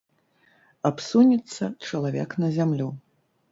Абсунецца чалавек на зямлю.